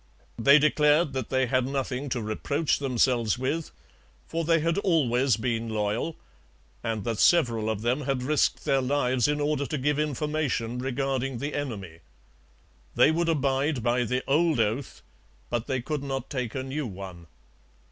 They declared that they had nothing to reproach themselves with, for they had always been loyal, and that several of them had risked their lives in order to give information regarding the enemy. They would abide by the old oath, but they could not take a new one.